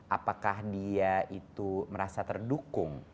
apakah dia itu merasa terdukung